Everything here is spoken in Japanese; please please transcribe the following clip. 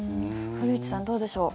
古市さん、どうでしょう